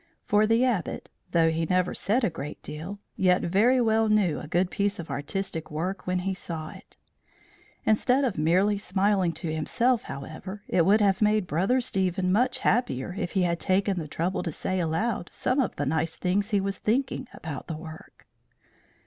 For the Abbot, though he never said a great deal, yet very well knew a good piece of artistic work when he saw it. Instead of merely smiling to himself, however, it would have made Brother Stephen much happier if he had taken the trouble to say aloud some of the nice things he was thinking about the work.